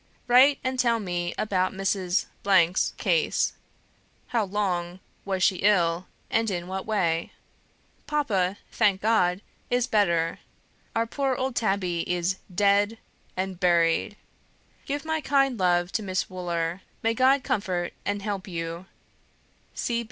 Write and tell me about Mrs. 's case; how long was she ill, and in what way? Papa thank God! is better. Our poor old Tabby is DEAD and BURIED. Give my kind love to Miss Wooler. May God comfort and help you.